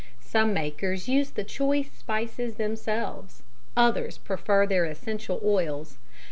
Some makers use the choice spices themselves, others prefer their essential oils.